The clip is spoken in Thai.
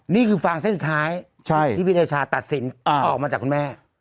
นี่คือฟางเส้นสุดท้ายที่พี่เดชาตัดสินออกมาจากคุณแม่